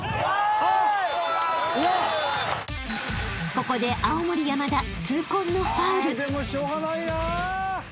［ここで青森山田痛恨のファウル］